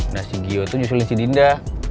nah si gio tuh nyusulin si dinda